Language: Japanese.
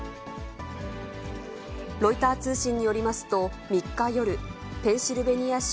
ロイター通信によりますと、３日夜、ペンシルベニア州